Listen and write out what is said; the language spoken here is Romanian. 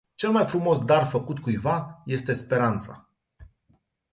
Cel mai frumos dar făcut cuiva este speranța.